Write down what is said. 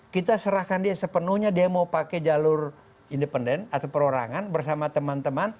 kita serahkan dia sepenuhnya dia mau pakai jalur independen atau perorangan bersama teman teman